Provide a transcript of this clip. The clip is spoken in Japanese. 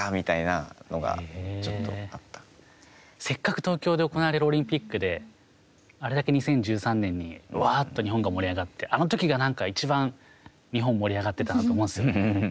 行けなかったかせっかく東京で行われるオリンピックであれだけ２０１３年にわあっと日本が盛り上がってあのときがなんかいちばん日本が盛り上がってたなと思うんですよね。